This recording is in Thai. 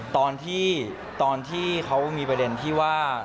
ตอนที่เขามีประเด็นที่ว่า